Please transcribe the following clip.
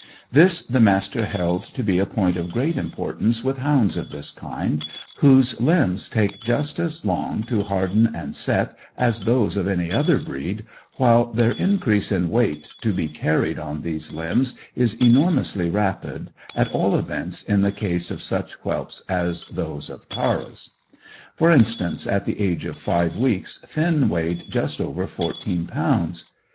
This the Master held to be a point of great importance with hounds of this kind, whose limbs take just as long to harden and set as those of any other breed, while their increase in weight to be carried on those limbs is enormously rapid, at all events in the case of such whelps as those of Tara's. For instance, at the age of five weeks Finn weighed just over fourteen pounds.